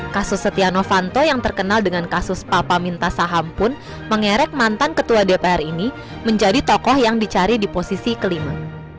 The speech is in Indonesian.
kasus setia novanto yang terkenal dengan kasus papa minta saham pun mengerek mantan ketua dpr ini menjadi tokoh yang dicari di posisi kelima